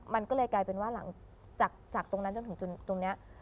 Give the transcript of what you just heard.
มันก็เลยกลายเป็นว่าหลังจากตรงนั้นจนถึงตรงนี้